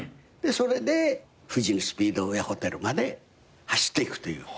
それで富士スピードウェイホテルまで走っていくっていう。